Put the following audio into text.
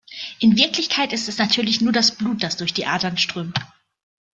In Wirklichkeit ist es natürlich nur das Blut, das durch die Adern strömt.